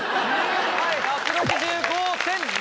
１６５．７。